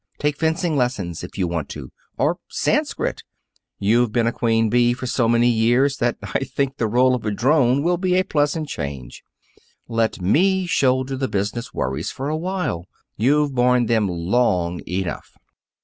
Take fencing lessons, if you want to, or Sanskrit. You've been a queen bee for so many years that I think the role of drone will be a pleasant change. Let me shoulder the business worries for a while. You've borne them long enough."